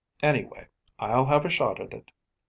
Anyway, I'll have a shot at it."